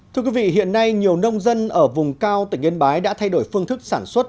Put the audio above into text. thưa quý vị hiện nay nhiều nông dân ở vùng cao tỉnh yên bái đã thay đổi phương thức sản xuất